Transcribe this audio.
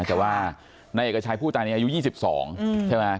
แต่ว่านายเอกชัยผู้ตายในอายุ๒๒ใช่ไหม